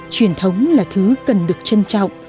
truyền thống là thứ cần được trân trọng